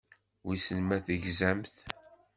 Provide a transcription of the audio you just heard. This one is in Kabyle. Wissen ma tegzamt.